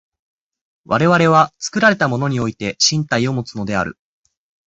我々は作られたものにおいて身体をもつのである。